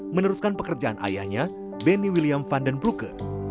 meneruskan pekerjaan ayahnya benny william van den brugge